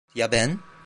Ya ben?